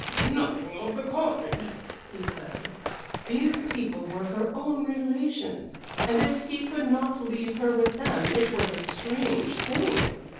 "Nothing of the kind," he said. These people were her own relations, and if he could not leave her with them it was a strange thing!